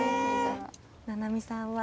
七海さんは？